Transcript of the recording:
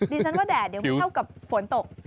ดิฉันว่าแดดยังไม่เท่ากับฝนตก